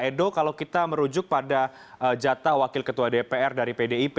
edo kalau kita merujuk pada jatah wakil ketua dpr dari pdip